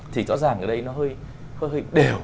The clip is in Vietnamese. thì rõ ràng ở đây nó hơi đều